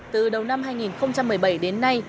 từ đầu năm hai nghìn một mươi bảy đến nay